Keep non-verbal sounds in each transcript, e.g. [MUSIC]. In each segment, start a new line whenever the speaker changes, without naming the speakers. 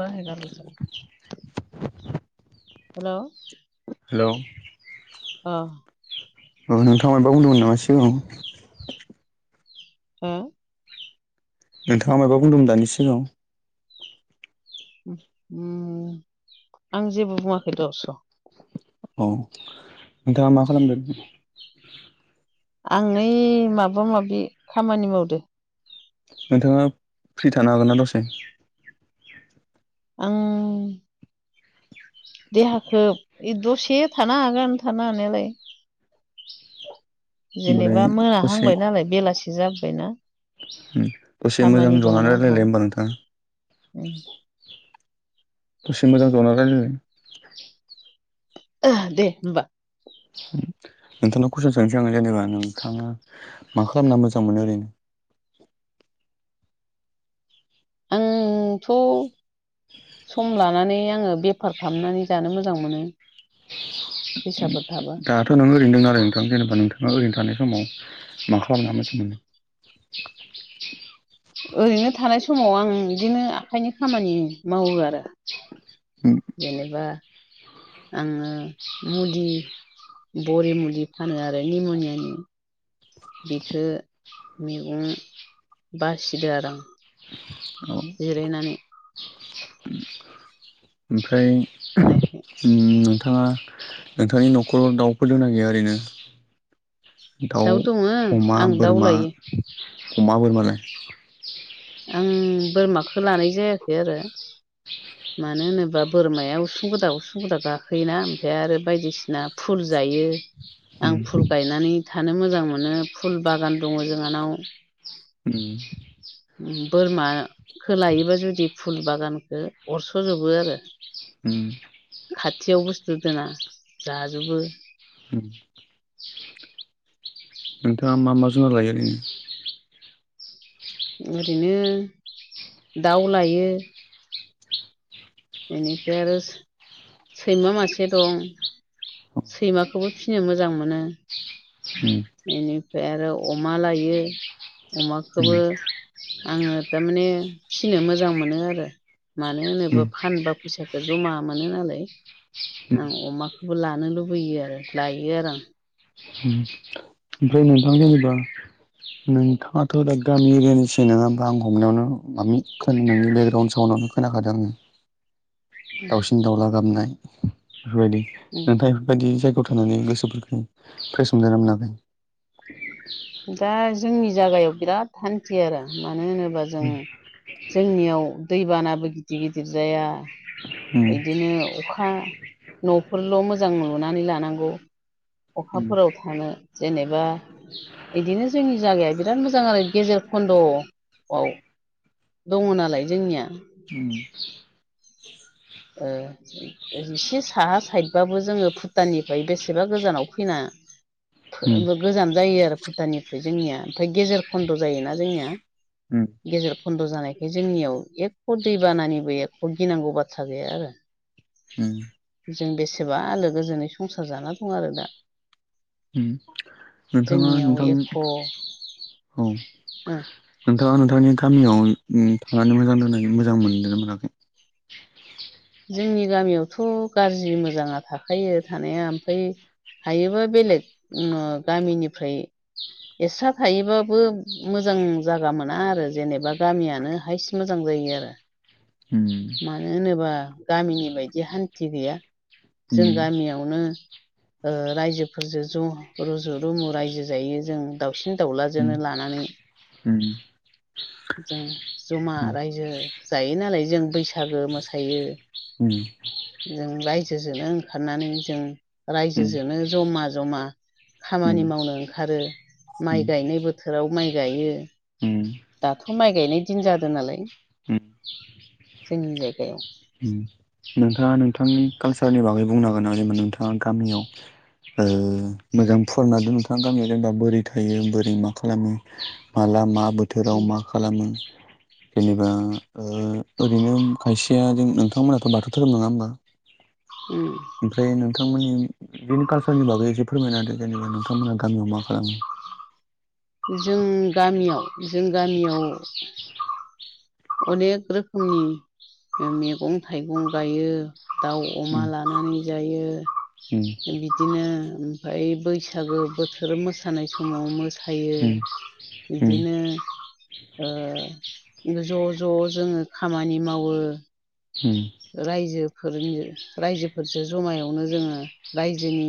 बाहेरा [UNINTELLIGIBLE] हेल'
हेलौ
अ
औ नोंथाङा माबा बुंदोंमोन नामा सिगाङाव?
अ
नोंथाङा मायबा बुंदोंमोन दानि सिगाङाव?
आं जेबो बुङाखै दस'।
औ नोंथाङा मा खालामदों?
आं ओइ माबा माबि खामानि मावदों।
नोंथाङा फ्रि थानो हागोन ना दसे?
आं देहाखौ दसे थानो हागोन थानो हानायालाय।
[INAUDIBLE] होमबालाय
जेनेबा
दसे
मोनाहांबाय नालाय बेलासि जाबोबायना।
दसे
खामानि
मोजां जनानै रायलायलाय होमबा नोंथां।
उ [UNINTELLIGIBLE]
दसे मोजां जना रायलायनाय।
ओ दे होमबा।
नोंथांनाव कुइसन सोंसै आं जेनेबा नोंथाङा मा खालामना मोजां मोनो ओरैनो?
आंथ'
[UNINTELLIGIBLE]
सम लानानै आङो बेफार खालामनानै जानो मोजां मोनो। फैसाफोर थाबा
दाथ' नों ओरैनो दा आरो नोंथां जेनेबा नोंथाङा ओरैनो थानाय समाव मा खालामना मोजां मोनो?
ओरैनो थानाय समाव आं बिदिनो आखाइनि खामानि मावो आरो। जेनेबा आङो मुदि बरि मुलि फानो आरो निम'नियानि। बिखो मैगं बासिदो आरो आं।
अ
जिरायनानै।
ओमफ्राय
होनायखाय
उम नोंथाङा नोंथांनि न'खराव दाउफोर दंना गैया ओरैनो? दाउ अमा
आं दाउ
बोरमा
लायो
अमा बोरमालाय?
आं बोरमाखौ लानाय जायाखै आरो। मानो होनोब्ला बोरमाया उसुं गोदा उसुं गोदा गाखोयोना ओमफ्राय आरो बायदिसिना फुल जायो।
उम
आं फुल गायनानै थानो मोजां मोनो फुल बागान दङ जोंहानाव।
उम
बोरमाखो लायोबा जुदि फुल बागानखो अरस'जोबो आरो।
उम
खाथियाव बुस्थु दोना जाजोबो।
उम नोंथाङा मा मा जुनार लायो ओरैनो?
ओरैनो दाउ लायो। बेनिफ्राय आरो सैमा मासे दं सैमाखौबो फिसिनो मोजां मोनो
उम उम
बेनिफ्राय आरो अमा लायो अमाखौबो
उम
आङो तारमाने फिसिनो मोजां मोनो आरो मानो
उम
होनोबा फानबा फैसाखौ जमा मोनो नालाय आं अमाखौबो लानो लुबैयो आरो लायो आरो आं
ओमफ्राय नोंथां जेनेबा नोंथाङाथ' दा गामि एरियानिसो नङा होनोमबा आं हमनायावनो मा खोननि बेकग्राउन्ड सउनावनो खोनाखादों आङो दाउसिन दाउला गाबनाय बेफोरबायदि
आं
नोंथां बेफोरबायदि जायगायाव थानानै गोसोफोरखौ फेस मोनदोना मोनाखै?
दा जोंनि जागायाव बिराद हान्थियो आरो मानो होनोबा जों
उम
जोंनियाव दैबानाबो गिदिर गिदिर जाया बिदिनो अखा न'फोरल' मोजां नुनानै लानांगौ
उम
अखाफोराव थाङो जेनेबा बिदिनो जोंनि जायगाया बिराद मोजां आरो गेजेर खन्द'आव बाव दङ' नालाय जोंनिया
उम
ओ इसे साहा साइद बाबो जोङो भुटाननिफ्राय बेसेबा गोजानाव फैना
उम
गोजान जायो आरो भुटानिफ्राय जोंनिया ओमफाय गेजेर खन्द' जायोना जोंनिया गेजेर खन्द' जानाय बे जोंनियाव एख' दैबानानिबो एखख' गिनांगौ बाथ्रा गैया
उम
आरो जों बेसेबा आलो गोजोनै संसार जाना दं आरो दा
उम नोंथाङा नोंथां औ
ओ
नोंथाङा नोंथांनि गामियाव उम थांनानै मोजां दोननाय मोजां मोनदोना मोनाखै
जोंनि गामियावथ' गाज्रि मोजाङा थाखायो थानाया ओमफ्राय हायोबा बेलेग गामिनिफ्राय एसा थायोबाबो मोजां जागा मोना आरो जेनेबा गामियानो हाइस मोजां जायो आरो
उम
मानो होनोबा गामिनि बायदि हान्थि गैया जों
उम
गामियाव आवनो ओ रायजोफोरजों ज' रुजु रुमु रायजो जायो जों दाउसिन दाउलाजोंनो लानानै [INAUDIBLE]
[INAUDIBLE]
जों जमा रायजो जायो नालाय जों बैसागो मोसायो जों रायजोजोंनो ओंखारनानै जों रायजोजोंनो जमा जमा खामानि मावनो ओंखारो माइ गायनाय बोथोराव माइ गायो दाथ' माइ गाइनाय दिन जादों नालाय जोंनि जायगायाव
नोंथाङा नोंथांनि कालसारनि बागै बुंनांगोन आरो नोंथाङा गामियाव ओ मोजां फरायना दोन नोंथाङा गामियाव जेनेबा बोरै थायो बोरै मा खालामो माला मा बोथ बोथोराव मा खालामो जेनेबा ओ ओरैनो खायसे या जों नोंथांमोनाथ' बाथौ धोरोम नङा होमबा
उम
ओमफ्राय नोंथांमोननि बिनि कालसारनि बागै एसे फोरमायनाादों जेनेबा नोंथांमोना गामियाव मा खालामो
जों गामियाव जों गामियाव अनेक रोखोमनि मैगं थाइगं गायो दाउ अमा
उम
लानानै जायो
उम
बिदिनो ओमफ्राय बैसागो बोथोर मोसानाय समाव मोसायो
उम उम
बिदिनो ओ ज' ज' जोङो खामानि मावो
उम
रायजोफोरनि रायजोफोरजों जमायावनो जोङो रायजोनि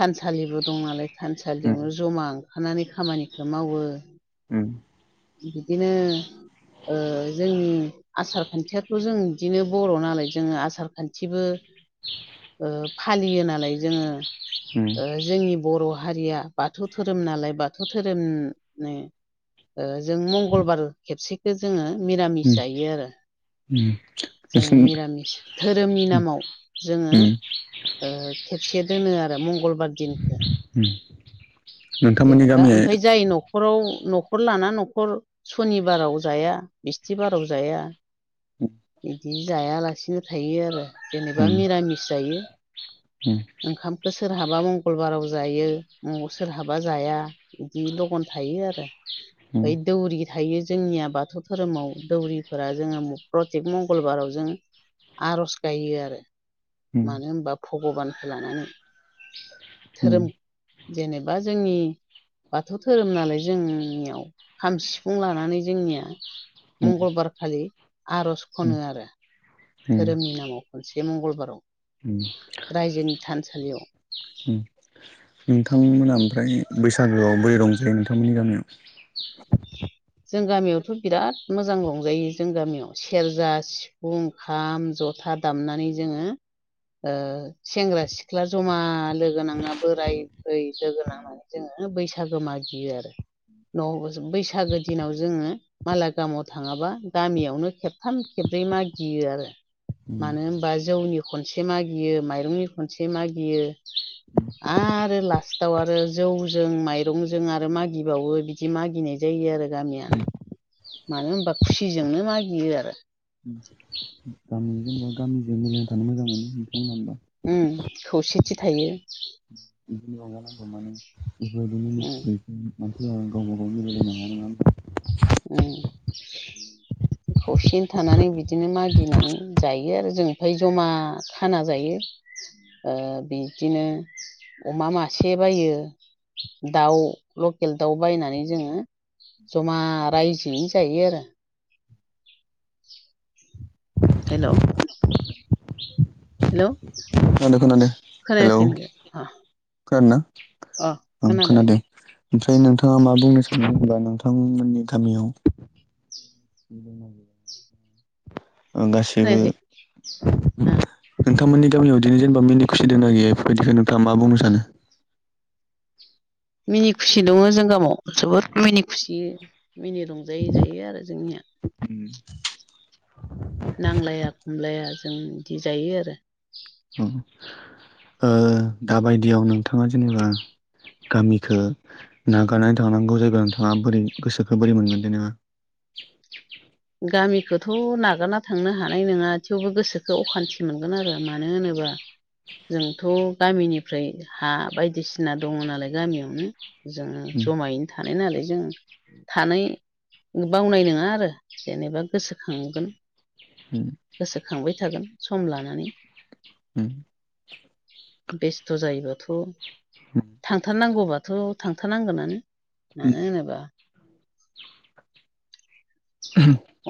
थानसालिबो दं नालाय थानसालियावनो जमा ओंखारनानै खामानिखो मावो। बिदिनो ओ जोंनि आसार खान्थियाथ' जों दिनो बर' नालाय जोङो आसार खान्थिबो ओ फालियो नालाय जोङो
उम
ओ जोंनि बर' हारिया बाथौ धोरोम नालाय बाथौ धोरोमनि ओ जों मंगलबार खेबसेखो जोङो
उम
मिरामिस जायो आरो।
उम
जों
नोंसिनि
मिरामिस धोरोमनि नामाव जोङो
उम
ओ खेबसे दोनो आरो मंगलबार दिनखो।
उम
[INAUDIBLE]
नोंथांमोननि
जेनेबा
गामिया
ओमफाय जाय न'खराव न'खर लाना न'खर सनिबाराव जाया बिस्थिबाराव जाया। इदि जायालासिनो थायो आरो जेनेबा
उम
मिरामिस जायो।
उम
ओंखामखौ सोरहाबा मंगलबाराव जायो। उम सोरहाबा जाया बिदि लगन थायो आरो
उम
ओइ दौरि थायो जोंनिया बाथौ धोरोमाव दौरिफोरा जोङो प्रतेक मंगलबाराव जों, आर'ज गायो आरो
उम
मानो होमबा भग'बानखो लानानै। धोरोम
उम
जेनेबा जोंनि बाथौ धोरोम नालाय जों नियाव खाम सिफुं लानानै जोंनिया मंगलबारखालि आर'ज खनो आरो।
उम
धोरोमनि नामाव खनसे मंगलबाराव।
उम
रायजोनि थानसालियाव।
[UNINTELLIGIBLE] मोना ओमफ्राय बैसागोआव बोरै रंजायो नोंथांमोननि गामियाव?
जों गामियावथ' बिराद मोजां रंजायो जों गामियाव सेरजा सिफुं खाम ज'था दामनानै जोङो ओ सेंग्रा सिख्ला जमा लोगोनांना बोराय बुरै लोगो नांनानै जोङो बैसागो मागियो आरो नबोसो बैसागो दिनाव जोङो माला गामाव थाङाबा गामियावनो खेबथाम खेब्रै मागियो आरो। मानो होमबा जौनि खनसे मागियो माइरंनि खनसे मागियो आरो लास्टाव आरो जौजों माइरंजों आरो मागिबावो बिदि मागिनाय जायो आरो। गामियानो मानो होनबा खुसिजोंनो मागियो आरो।
गामि जेनेबा गामिजों मिलायनानै थानो मोजां मोनो नोंथां मोना हमबा?
उम खौसेथि थायो।
[UNINTELLIGIBLE]
उम खौसेनो थानानै बिदिनो मागिनानै जायो आरो जों ओमफ्राय जमा खाना जायो। ओ बिदिनो अमा मासे बायो दाउ लकेल दाउ बायनानै जोङो जमा रायजोयै जायो आरो। हेलौ हेलौ
खोनादों
खोनायाखै [UNINTELLIGIBLE]
खोनादोना
अ
ओं
दे
खोनादों ओमफ्राय नोंथांङा मा बुंनो सानदों एबा [UNINTELLIGIBLE] थांमोननि गामियाव [INAUDIBLE] ओं गासैबो
[UNINTELLIGIBLE]
नोंथांमोननि गामियाव इदिनो जेनेबा मिनि खुसि दोंना गैया इफोरबायदिखौ नोंथाङा मा बुंनो सानो?
मिनि खुसि दङो जों गामाव जोबोद मिनि खुसि मिनि रंजायै जायो आरो जोंनिया।
उम
नांलाया खमलाया जों इदि जायो आरो।
उम ओ दाबायदियाव नोंथाङा जेनेबा गामिखौ नागारनानै थांनांगौ जायोबा नोंथाङा बोरै गोसोखौ बोरै मोनगोन जेनेबा?
[UNINTELLIGIBLE] गामिखौथ नागारना थांनो हानाय नंङा थेवबो गोसोखौ अखान्थि मोनगोन आरो आं मानो होनोबा जोंथ गामिनि ओमफ्राय हा बायदिसिना दंङ नालाय गामियावनो जोंङो
उम
जमायैनो थानाय नालाय जों थानाय बावनाय नंङा आरो जेनेबा गोसोखांगोन गोसोखांबाय थागोन सम लानानै
उम
बेस्थ जायोबाथ
उम
थांथारनांगौबाथ थांथारनांगोनानो मानो
उम
होनोबा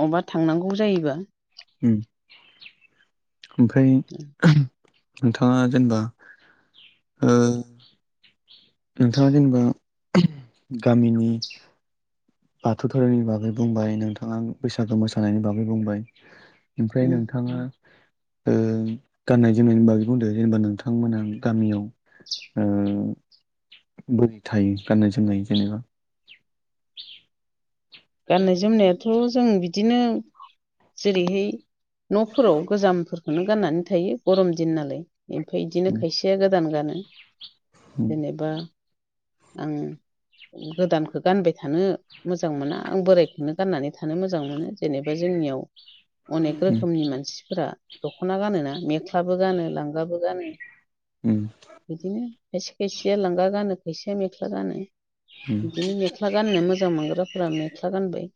बबा थांनांगौ जायोबा
[UNINTELLIGIBLE] ओमफ्राय नोंथांङा जेनेबा ओ नोंथांङा जेनेबा गामिनि बाथौ धोरोमनि बागै बुंबाय नोंथांङा बैसागो मोसानायनि बागै बुंबाय ओमफ्राय
उम
नोंथांङा गाननाय जोमनायनि बागै बुंदों जेनेबा नोंथांमोनहा गामियाव बोरै थायो गाननाय जोमनाय जेनेबा [INAUDIBLE]
गाननाय जोमनायाथ जों बिदिनो जेरैहाय नफोराव गोजाम फोरखौनो गाननानै थायो गरम दिन नालाय ओमफ्राय बिदिनो खायसेया गोदान गानो
ओमफ्राय
जेनेबा आं गोदानखौ गानबाय थानो मोजां मोना नो गाननानै थानो मोजां मोनो जेनेबा जोंनियाव अनेक रोखोमनि मानसि फोर दखना गानो ना मेख्लाबो गानो लांगाबो गानो बिदिनो खायसे खायसेया लांगा गानो खायसेया मेख्ला गानो बिदिनो मेख्ला गाननो मोजां मोनग्राफोरा मेख्ला गानबाय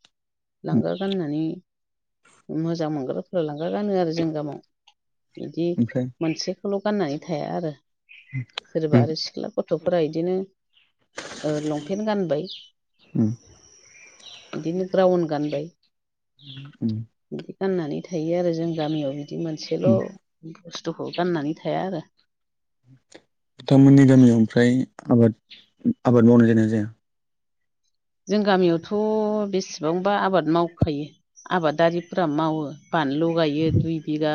लांगा गानो होननानै मोजां मोनग्रो फोर लांगा गानो आरो जों गामाव बिदि मोनसेखौल गाननानै थाया आरो सोरबा आरो सिख्ला गथफोरा बिदिनो लंपेन्ट गानबाय
उम
बिदिनो ग्राउन गानबाय
उम
बिदि गाननानै थायो आरो जों गामियाव बिदि मोनसेल बुस्थुखौ गाननानै थाया आरो
नोंथांमोननि गामियाव ओमफ्राय आबाद आबाद मावनाय जादोना जाया
जों गामियावथ बेसेबांबा आबाद मावखायो आबादारिफोरा मावो बानलु गायो दुइ बिगा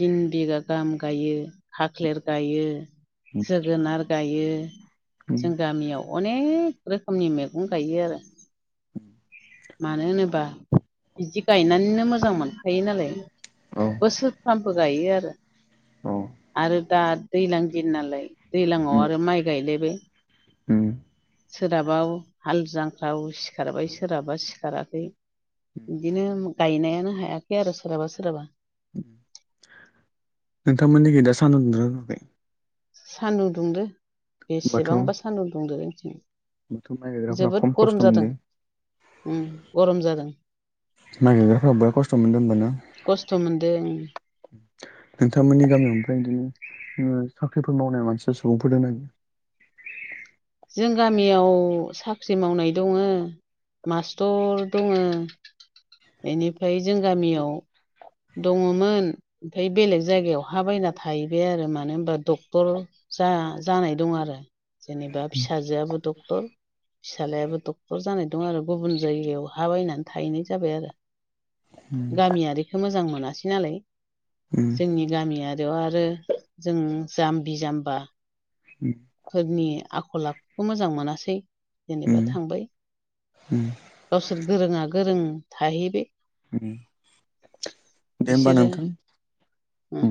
तिन बिगा गाहाम गायो खाख्लेर गायो जोगोनार गायो जों गामियाव अनेक रोखोमनि मैगं गायो आरो
[UNINTELLIGIBLE]
मानो होनोबा बिदि गायनानैनो मोजां मोनखायो नालाय
औ
बोसोर फामबो गायो आरो
औ
आरो दा दैज्लां दि नालाय दै्लांआव आरो माइ गायलायबो
[INAUDIBLE]
सोरहाबाव हाल जांफ्राव सिखारबाय सोरहाबा माबा सिखाराखै बिदिनो गायनायानो हायाखै आरो सोरहाबा सोरहाबा
[UNINTELLIGIBLE] नोंथांमोननि गिदा सानदुंनो नरबाय
सान्दुं दुंदो
होमबाथ'
बेसेबांबा सान्दुं दुंदो जोंथिं
बाथ' माइ गायग्राफ्रा
जोबोद
खम
गरम
खस्थ'
जादों
मोनदों
उम गरम जादों
नागिरग्राफ्रा बेराद खस्थ' मोनदों होनबाना।
खस्थ' मोनदों
नोंथांमोननि गामिआव ओमफ्राय बिदिनो ओ साख्रिफोर मावनाय मानसिया सुबुंफोर दोंना गैया?
जों गामियाव साख्रि मावनाय दङो मास्टर दङो। एनिफ्राय जों गामियाव दङोमोन ओमफ्राय बेलेग जायगायाव हा बायना थाहैबाय आरो मानो होनबा डक्टर जा जानाय दं आरो जेनेबा फिसाजोआबो डक्टर फिसालायाबो डक्टर जानाय दं आरो गुबुन जायगायाव हा बायनानै थाहैनाय जाबाय आरो।
उम।
गामियारिखौ मोजां मोनासै नालाय जोंनि गामियारियाव आरो जों जाम्बि जाम्बा फोरनि आखल आखुखौ मोजां मोनासै जेनेबा थांबाय। गावसोर गोरोंआ गोरों थाहैबाय।
दे होमबा
बिसोरो
नोंथां
उम